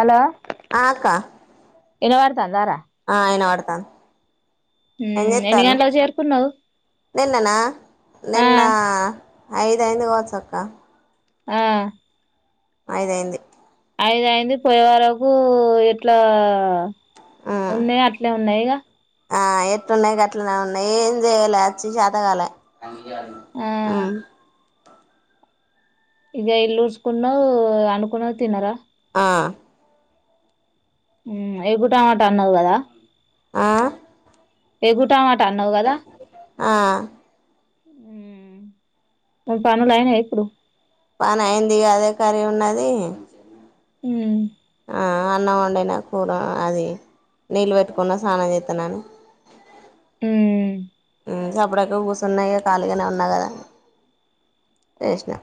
Hello ఆ అక్క వినబడతాందా రా ఆ అయిన వినబడతాంది. ఏం ఉమ్ ఎన్ని చెస్తాన్ను గంటలకు చేరుకున్నావు నిన్ననా ఆ నిన్నా ఐదయింది కావచ్చు అక్క ఆ ఐదైంది ఐద అయింది పోయే వరకు ఇట్లా ఉమ్ ఉన్నా అట్లా ఉన్నాయిగా ఆ ఎట్లున్నాయి గట్లనే ఉన్నాయి ఏం చెయ్యాలి వచ్చి శాతకాల ఆ ఇగ ఇల్ ఉడ్స్కున్న వండుకున్నావ్ తినార ఆ హమ్ ఎగ్గు టమాట అన్నావ్ కదా ఆ ఎగ్గు టమాట ఆ హ్మ్మ్ పనులైనయా ఇప్పుడు పని అయింది కదే కర్రీ ఉన్నది హ్మ్మ్ ఆ అన్నం వండనా కూర అది నీళ్లు పెట్టుకున్న స్నానం చేస్తన్నాని ఉమ్ సప్పుడ ూగుస్ ఉన్నాయి ఖాళగానే ఉన్నా కదా చేసినా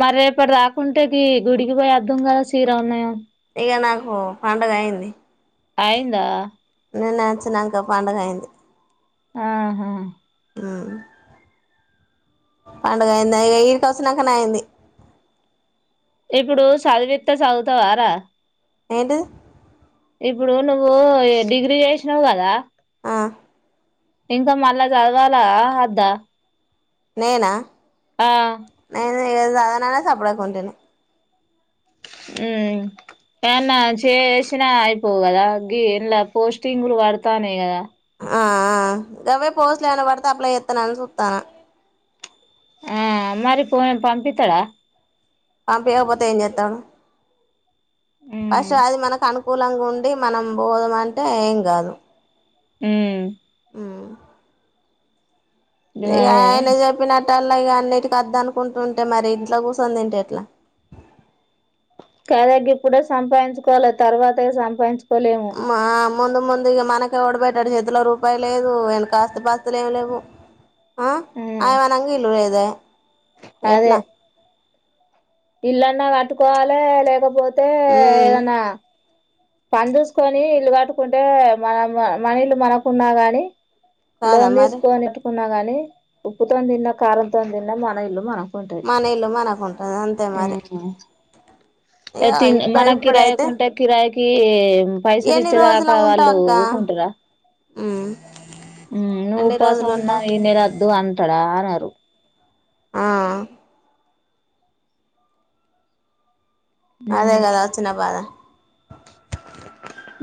మరి రేపటి రాకుంటేది గుడికి పోయి అర్థం కదా చీర ఉన్నాయంో ఇదిగా నాకు పండగ అయింది ఆయిందా నేను నేచ్చినాక పడుగ అయింది ఆహా ఆ పండుగ అయింది ఈడికి వచ్చినాకనే అయింది ఇప్పుడు చదివితే చదువుతావారా ఏంటిది ఇప్పుడు నువ్వు డిగ్రీ చేసినవు్ కదా ఆ ఇంకా మళ్ళా చదవాలా అద్దా నేనా ఆ నేను చదవననే సప్పుడు చేయకుంటిని హ్మ్మ్ ఏన్నా చేసినా అయిపోవు కదా గ ఇంలా పోస్టింగ్లు పడతానేయి కదా ఆ ఆ కవే పోస్ట్లు ఏమన్నా పెడితే అప్లై చేద్దామని చూస్తున్న ఆ మరి పో పంపితడా పంపకపోతే ఏం చేస్తాడు ఉమ్ ఫస్ట్ అది కూూలంగా ఉండి మనం పోదంమంటే ఏం కాదు ఉ హ్మ్మ్ ఇ గదే అయన చెప్పినట్టు లాగ అన్నిటి వద్ద అనుకుంటుంటే మరి ఇంట్లా కూర్చొని తింటే ఎట్లా కాద ఇప్పుడే సంపాదించుకోవాలి తర్వాత సంపాదించుకోాల మా ముందు ముందుగా మనక ఎవడు ఇడు చేతిలో రూపాయి లేదు వెన కాస్త బస్తలు ఏమి లేవు ఆ ఉమ్ అయవానంగా ఇల్లు లేదా అదే ఎట్లా ఇల్లన్నా కట్టుకోవాలి లేకపోతే ఉమ్ ఏదన్నా పని చూసుకొని ఇల్లు కట్టుకుంటే మన మన ఇల్లు మనకున్నా గాని కాదా లోన్ మరి తీసుకోని కట్టుకున్నా గాని ఉప్పుతో దిన్న కారంతో దిన్న మన ఇల్లు మనం మన ఇల్లు మనకుంట ఉమ్ ఇగ ఇప్పు మన కిరాయి ఇప్పుడైతే కుంటే కిరాయికి పైసలు ఎన్ని రోజుల ఇచ్చేదాకా ఉంటావు వాళ్ళు అక్క ఊకుంటారా ఉమ్ నువ్వు ఎన్ని ఉపాసం రోజులు ఉన్నా ఉంటావు ఈ నెల వద్దు అంటాడా అనరు ఆ అదే గదా వచ్చిన బాధ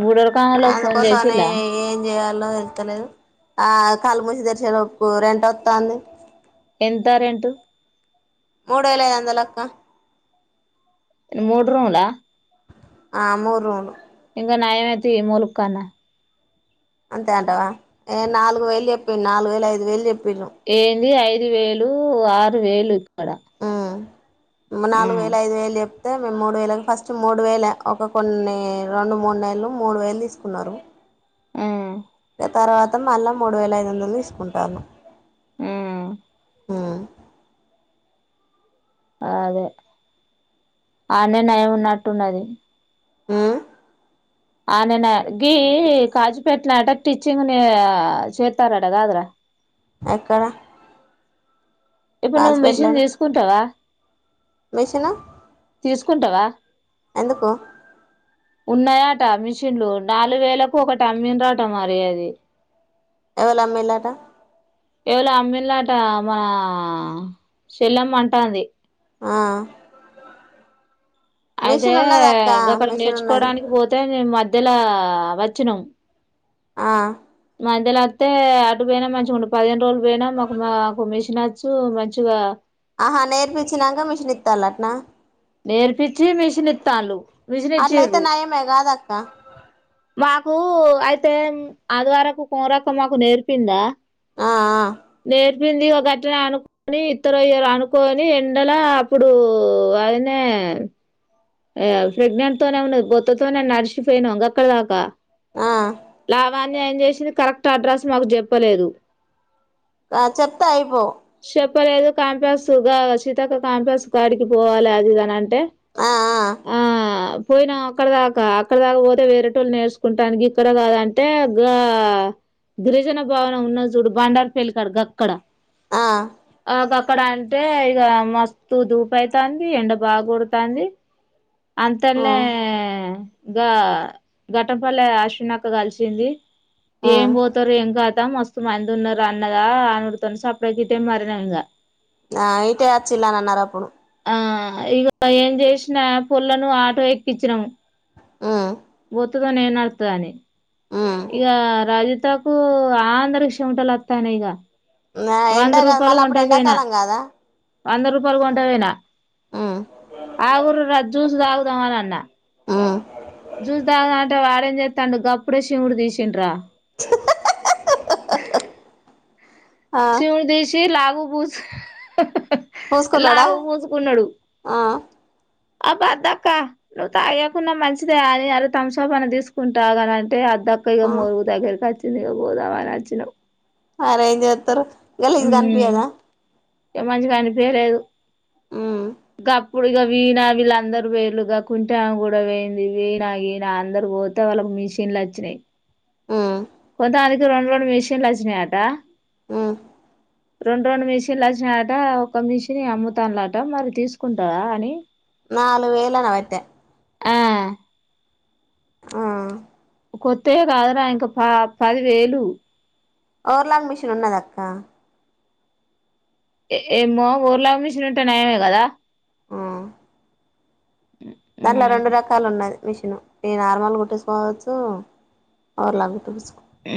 బూడోరకాంలో ఫోన్ అందుకోసమని చేసిలా ఏం జేయాలో తెలుస్తలేదు ఆ కళ్ళు మూసి దెర్శే లోపు రెంట్ వత్తోంది ఎంత రేంటూ మూడు యేల ఐదు వందలక్క మూడు రూమ్ ల ఆ మూడు రూమ్ లు ఇంగ నయమేది తీ మూలుగ్కనా అంతే అంటవా ఏ నాలుగు వేలు జెప్పిం నాలుగు వేలు ఐదు వేలు జెప్పి ఏంది ఐదు వేలు ఆరు వేలు ఇక్కడ ఆ ఆ నాలుగు వేలు ఐదు వేలు జె ప్తే మేము మూడు వేలకి ఫస్ట్ మూడు వేలే ఒక కొన్ని రెండు మూడు నెలలు మూడు వేలు దీసుకున్నారు ఉమ్ తర్వాత మళ్ళా మూడు వేల ఐదు వందలు తీసుకుంటారు ఆ మ్ అదే ఆన్నే నయం ఉన్నట్టున్నది. ఉమ్ ఆ నే నయం గీ కాజుపేట్లనట స్టిచింగ్ నే చేత్తారట గాదురా ఎక్కడ ఇప్పుడు నువ్వు మిషన్ రాసిపెట్లేనా దీసుకుంటావా మిషను తీసుకుంటావా ఎందుకు ఉన్నయాట మిషన్లు నాలుగు వేలకు ఒకటి అమ్మిన్ రట మరి అది ఎవళమ్మిలట ఎవళో అమ్మిలాట మా చెల్లమ్మ అంటాంది ఆ అయితే మిషన్ ఉన్నది అక్క గక్కడ మిషన్ ఉన్నది నేర్చుకోవడానికి బోతే మధ్య మధ్యలా వచ్చినం ఆ మధ్యలో వత్తే అటు పోయినా మంచిగా ఉండు పదిహేను రోజులు పోయినా మా మాకు మిషన్ మిషన్ వచ్చు మంచిగా ఆహా నేర్పించినంక మిషన్ ఇత్తాలటనా నేర్పిచి మిషన్ ఇత్తాల్లు మిషన్ అట్లయితే ఇచ్చిరు నయమే కాదక్క మాకు అయితే ఆదివరకు కోమరక్క మాకు నేర్పిందా ఆ నేర్పి పింది ఓ గట్టనే అనుకొని ఇత్తరో యియ్యరో అనుకొని ఎండల అప్పుడు నే ప్రెగ్నెంట్ తోనే ఉన్నది భొత్తతోనే నడిచిపోయినాం గక్కడ దాకా ఆ లావణ్య ఏం జేసింది కరెక్ట్ అడ్రస్ మాకు జెప్పలేదు ఆ చెప్తే అయిపోవ్ చెప్పలేదు కాంప్లేసు గా సీతక్క కాంప్లేస్ కాడికి పోవాలి అది ఇది అంటే ఆ ఆ పోయినాం అక్కడ దాకా అక్కడ దాకా పోతే వేరేటోళ్ళు నేర్చుకుంటానికి గిక్కడ కాదంటే గా గిరిజన భవనము ఉన్నది చూడు బండారు పలికాడుక్కడ ఆ ఆ ఆ ఇక్కడ అంటే ఇగ మస్తు దూపు అైతాంది ఎండ బాగా కుడుతుంది అంతల్నే ఉమ్ గా ఘట్టంపల్లె అశ్విన్ అక్క కలిసింది ఏం ఉమ్ పోతారు ఏం కాతం మస్తు మందు ఉన్నారు అన్నదా అనిడుతాను సప్డ గిట్టే మారిన ఇంకా నా ఇయిటే ఆచ్చిలా నన్న అన్నరప్పుడు ఆ ఇగ ఏం చేసిన పొల్లను ఆటో ఎక్కించినాము ఉమ్ [unintelligible] ఉమ్ ఇగ రాజ అత్తకు ఆంధ్రకి చమటలు వత్తాన్నయిగ ఆ ఎండ వంద కాదు రూపాయలు మళ్ళీ అప్పుడు గొంటక పోయినా ఎండాకాలం కాదా వంద రూపాయలు కొంట పోనా ఉమ్ ఆగురు రా జ్యూస్ తాగుదాం అని అన్న ఉమ్ జూస్ దాగుదాం అంటే వాడేం చేస్తాండు గప్పుడే షీమిడి తీసిండ్రా హ హా హ హ హా చీమిడి తీసి లాగుకు పోస్ పూసుకున్నాడా లాగుకు పూసుకున్నాడు ఆ ఆ బద్దక్క నువ్వు తాగాకుంన్నా మంచిదే అని అర ధాంసప్ తీసుకుంటా ఆగు అని అంటే అద్దక్క ఇగ ఆ మొరుగుదగ్గరికి అచ్చింది గదా పోదావ అచ్చిన అదెంజేత్తరు గలీస్ కనిపియాద ఇ మంచిగా అనిపయలేదు ఉమ్ గ ఇప్పుడు ఇక వీణ వీళ్ళ అందరుూ వేలు కుంటా కూడా వేయింది వీనా ఈనా అందరూ పోతే వాళ్ళం మెషిన్లచ్చినాయ్ ఊ కొంతందునికి రెండు రెండు మిషన్లు వచ్చినాయట ఊ రెండు రెండు మిషన్లు వచ్చినట ఒక మిషిన్ అమ్ముతాన్లాట మరి తీసుకుంటావా అని నాలుగు వేలన్వట్టే ఆ ఆ కొత్త కాదురా ఇంకా ప పదివేలు ఓర్లాన్ మిషిన్ ఉన్నదా అక్క ఏమో ఊర్లాక్ మిషన్ ఉంటే నయమే కదా ఆ దాంట్లో ఉమ్ రెండు రకాలు ఉన్నది మిషన్ ఈ నార్మల్ కుట్టేసుకోవచ్చు ఓర్లాక్ కుట్టిచ్చుకో ఊ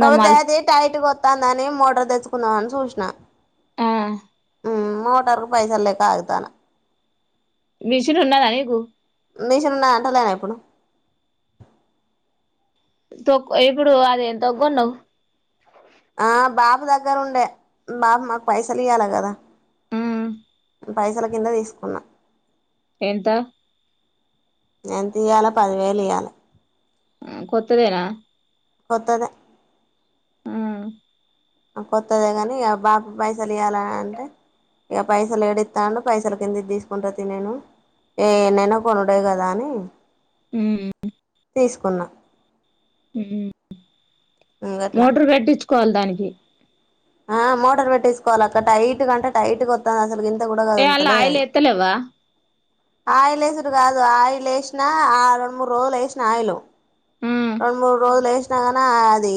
కాతేద టైట్గా వత్తాందని మోటర్ తెచ్చుకుందామని సూసిన ఆ మోటార్కు పైస లేక ఆగుతాన్న మిషన్ ఉన్నదా నీకు మీషన్ నాంటాలా నేనిప్పుడు త ఇప్పుడు అది ఎంత కొన్నావ్ ఆ బాబు దగ్గర ఉండే బాబు మాకు పైసలు ఇయ్వాలె కదా ఉమ్ పైసల కింద తీసుకున్నాం ఎంత ఎంత ఇయాల పదివేలు ఇయ్వాల ఊ కొత్త దేనా కొత్తదే ఊ కొత్తదే కాని ఇక బాప పైసలు ఇయ్యాల అంటే ఇక పైసలు ఏడిస్తా అం పైసలు కింద ఇ తీసుకుంటతి నేను ఏ ఎన్నైనా కొనుడే కదా అని ఉమ్ తీసుకున్నా ఇంగట్లా మోటర్ కట్టించుకోవాలి దానికి ఆ మోటర్ పెట్టటిేసుకోవాలి అక్క టైట్ కంటే టైట్ వస్తుంది అసలు కూడ ఏ అల్ల కాదుంతల ఆయిల్ ది ఎత్తలేవా ఆయిల్ వేసడు కాదు ఆయిల్ వేసినా ఆ రెండు మూడు రోజులు వేసినా ఆయిల్ ఉమ్ రెండు మూడు రోజులు వేసినా న అది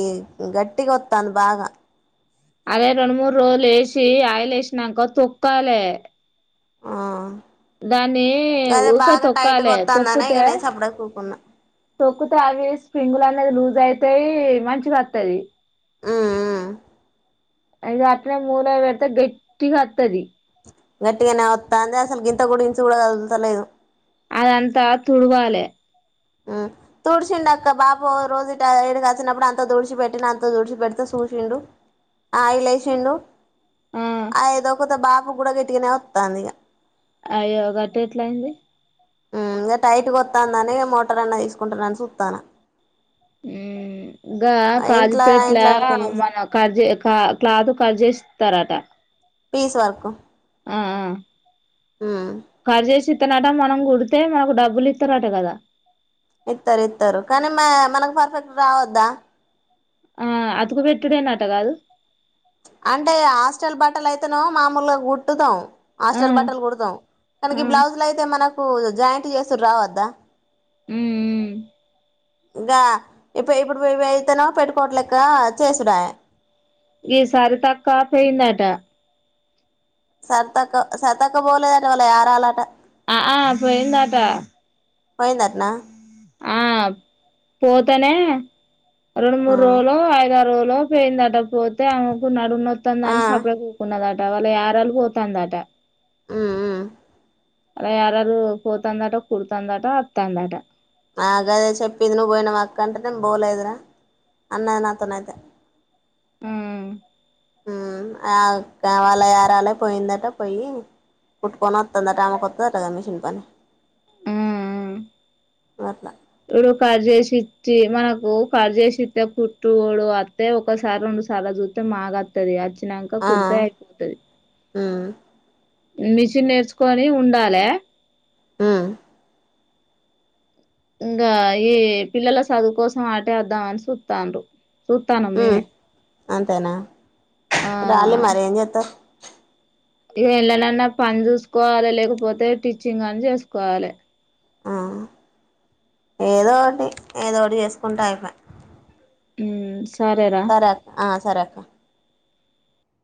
గట్టిగా వస్తుంది బాగా అదే రెండు మూడు రోజులు వేసి అయిలు వేసినాక తొక్కాలి ఆ దాన్ని గదే ఊక బాగా టైట్ గా తొక్కాలి వత్తాందనే ఇక తొక్కుతే నేను సప్పుడేక ఊకున్నా తొక్కుతే అవి స్ప్రింగులు అనేది లూజ్ అయితాయి మంచిగా వస్తాది ఊ ఊ‍ ఇంకా అట్టనే మూల పెడితే గట్టిగా వస్తది గట్టిగానే వస్తా అందే అసలు గ ఇంత కూడా ఇంచు కూడా కదులుతలేదు అదంతా తుడవాలే ఆ తుడిసిండు అక్క బాప రోజు ఏడు కాసినప్పుడు అంత తుడిచి పెెటి అంత దుడిచి పెడితే చూసిండు ఆ ఇలేసిిండు ఆ ఏదో ఒక బాబు కూడా గట్టుకనే వస్తాంది ఇక అ యో గాటు ఎట్లాయింది ఇంకా టైట్గా వస్తాందని మోటార్ అన్నా తీసుకుంటానని చూతాన ఆ ఇకా ఇంట్లా కాజుపేటల ఇంట్ల వరకనే మనం కట్జ క్లాత్ కట్ చేేసి తారంట పీస్ వర్కు ఆ ఆ ఉమ్ కట్ చేసి ఇత్తనట మనం కుడితే మనకు డబ్బులు ఇస్తారట కదా ఇత్తరు ఇత్తరు కానీ మ మనకు పర్ఫెక్ట్ రావద్దా ఆ అతకు పెట్టుడేనాట కాదు అంటే హాస్టల్ బట్టలు అయితేన మామూలుగా గుటుతాం ఆ హాస్టల్ బట్టలు కుడతాం ఆ కనకి బ్లౌజ్లు అయితే మనకు జాయింట్ చేసారు రావద్దా ఉ ఇంకా ఇప్పు ఇప్పుడు ఇ అయితేనో పెట్టుకోట్లేక్క చేసుడా ఈసారి తక్కువపోయిందట సర్తకు సతకు పోలేదంటే వాళ్ల యారుాలట ఆ ఆ పోయిందాటా పోయిందటనా ఆ పోతేనే రెండు ఆ మూడు రోజులు ఐదారు రోజులు లో పోయిందట పోతే ఆమెకు నడు న వత్ందాని ఆ సప కూకున్నదట వాల యారళూ పోతా అందాట ఆ ఆ అలా యారారురు పోతాందాట కుడతాందాట అతాందాట అగదే చెప్పిది నువ్ పోయినా అక్క అంటే నే పోలేదురా అన్న నాతోనైతే ఆ ఆ కా వాళ ఏరాలే పోయిందట పోయి కుట్కొని వత్తది అట ఆమెకు వత్తాది అంటా గా మెషన్ పని ఆ అట్లా ఆ [unintelligible] చ్చి మనకు కర్ చేేసిస్తే కుట్టుడు అస్తతే ఒకసారి రెండు సార్లు చూస్తే మాగా ది వచ్చినాక ఆ కుట్టే అయిపోతుది మ్మ్ మిషన్ నేర్చుకొని ఉండాలి ఆ ఇంకా ఈ పిల్లల చదువు కోసం ఆటే వద్దామని చూతారు చుత్తనాము మ్మ్ నేనే అంతేనా రాలి మరి ఏం చేద్దాం ఇక ఎళ్ళనన్నా పని చూసుకోవాలి లేకపోతే స్టిచ్చింగ్ అని చేసుకోవాలి ఆ ఏదో అండి ఏదోకటి చేసుకుంటే అయిపోయ ఉమ్ సరేరా సరే అక్క ఆ సరే అక్క